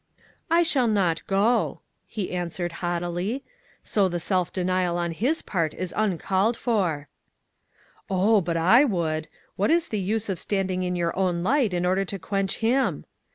" I shall not go," he answered, haughtily, " so the self denial on his part is uncalled for." " Oh ! but I would. What is the use of standing in your own light in order to quench him?